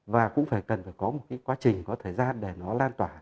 và cũng phải cần phải có một cái quá trình có thời gian để nó lan tỏa